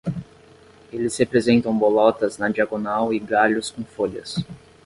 Eles representam bolotas na diagonal e galhos com folhas.